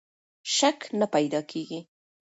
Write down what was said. شک نه پیدا کېږي.